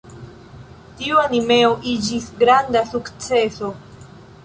Tiu animeo iĝis granda sukceso.